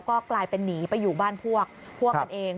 ก็กลายเป็นหนีไปอยู่บ้านพวกพวกกันเอง